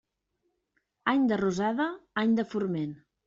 Any de rosada, any de forment.